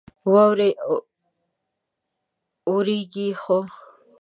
واورې اوريږي ،خو